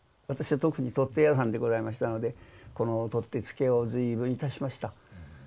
私は特に取っ手屋さんでございましたのでこの取っ手付けを随分いたしました。